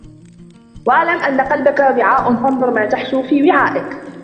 وَاعْلَمْ أَنَّ قَلْبَك وِعَاءٌ فَانْظُرْ مَا تَحْشُو فِي وِعَائِك